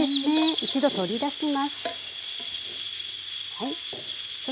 一度取り出します。